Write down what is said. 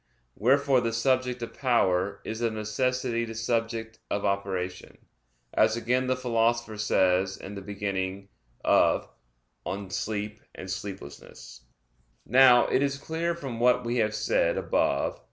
Wherefore the "subject of power" is of necessity "the subject of operation," as again the Philosopher says in the beginning of De Somno et Vigilia. Now, it is clear from what we have said above (Q.